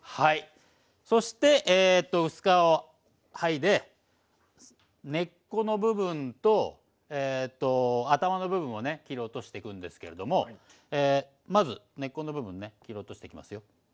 そして薄皮を剥いで根っこの部分と頭の部分をね切り落としてくんですけれどもまず根っこの部分ね切り落としてきますよ。